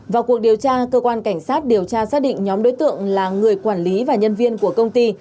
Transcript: vào cuộc điều tra cơ quan cảnh sát điều tra xác định nhóm đối tượng là người quản lý và nhân viên của công ty